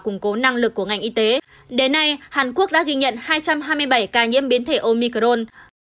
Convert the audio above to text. củng cố năng lực của ngành y tế đến nay hàn quốc đã ghi nhận hai trăm hai mươi bảy ca nhiễm biến thể omicron